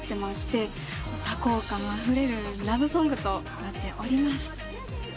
多幸感あふれるラブソングとなっております。